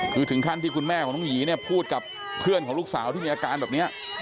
คือถึงขั้นที่คุณแม่ของน้องหยีเนี่ยพูดกับเพื่อนของลูกสาวที่มีอาการแบบนี้